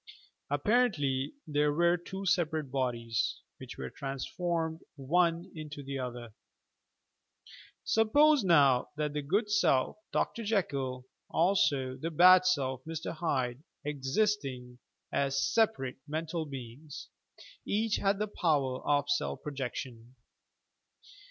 Ap parently there were two separate bodies, which were transformed one into the other ! Suppose now, that the good self, Dr. Jekyll, also the bad self, Mr. Hyde, existing as separate, mental beings, each had the power of self projection.